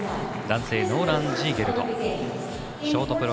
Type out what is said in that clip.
男性、ノーラン・ジーゲルト。